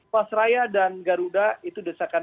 pas raya dan garuda itu desakan